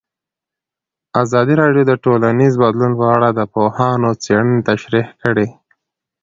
ازادي راډیو د ټولنیز بدلون په اړه د پوهانو څېړنې تشریح کړې.